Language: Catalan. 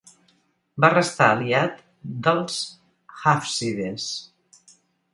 Va restar aliat dels hàfsides.